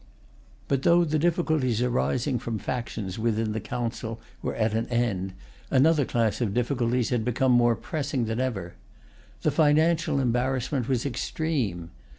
But, though the difficulties arising from factions within the Council were at an end, another class of difficulties had become more pressing than ever. The financial embarrassment was extreme.